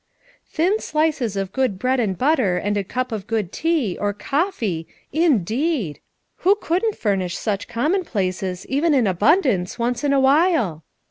" 'Thin slices of good bread and butter and a cup of good tea, or coffee' indeed! Who couldn't furnish such commonplaces, even in abundance, once in a while!"